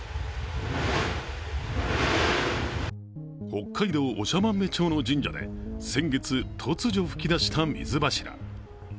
北海道長万部町の神社で、先月、突如噴き出した水柱。